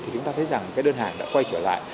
thì chúng ta thấy rằng cái đơn hàng đã quay trở lại